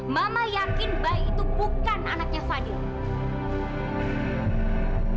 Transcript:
mama yakin bayi itu bukan anaknya fadil